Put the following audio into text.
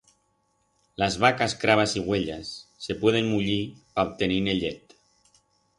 Las vacas, crabas y uellas se pueden muyir pa obtenir-ne llet.